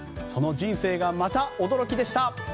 その人生がまた驚きでした。